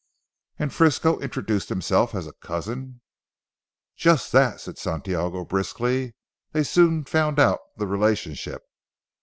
"And Frisco introduced himself as a cousin?" "Just that," said Santiago briskly. "They soon found out the relationship.